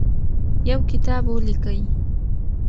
یو کتاب ولیکئ.